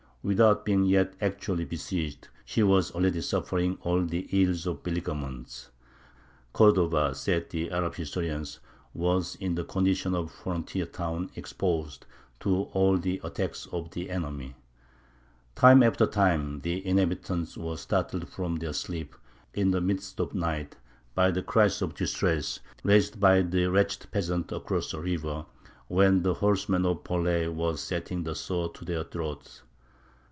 "Without being yet actually besieged, she was already suffering all the ills of beleaguerment." "Cordova," said the Arab historians, "was in the condition of a frontier town exposed to all the attacks of the enemy." Time after time the inhabitants were startled from their sleep, in the midst of night, by the cries of distress raised by the wretched peasants across the river, when the horsemen of Polei were setting the sword to their throats.